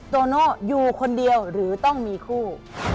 โตโน่อยู่คนเดียวหรือต้องมีคู่